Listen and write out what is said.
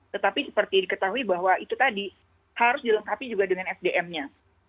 tetapi seperti diketahui bahwa itu tadi harus dilengkapi juga dengan sdm nya